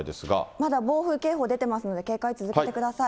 まだ暴風警報出てますので、警戒続けてください。